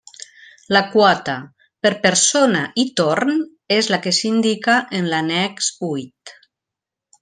La quota, per persona i torn, és la que s'indica en l'annex huit.